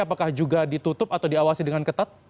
apakah juga ditutup atau diawasi dengan ketat